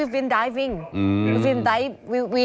กินขออาหาร